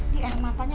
di air matanya